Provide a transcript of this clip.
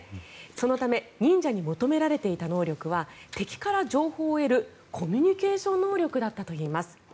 そのため忍者に求められていた能力は敵から情報を得るコミュニケーション能力だったといいます。